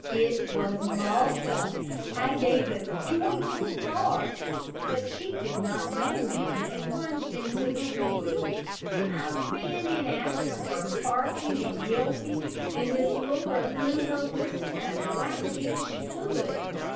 It was Malta. I gave a joyful bark, but she did not know me, and plunged into the wood. I ran in after her, barking and yelping, and Miss Laura blew her whistle as loudly as she could.